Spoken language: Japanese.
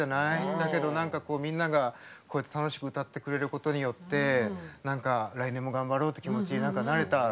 だけど、みんながこうやって楽しく歌ってくれることによって来年も頑張ろうって気持ちになれた。